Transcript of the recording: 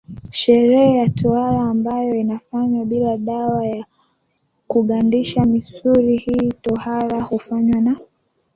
sherehe ya tohara ambayo inafanywa bila dawa ya kugandisha misuli Hii tohara hufanywa na